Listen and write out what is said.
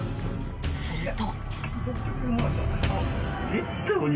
すると。